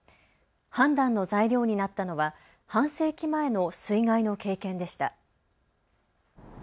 判断の材料になったのは半世紀前の水害の経験でした。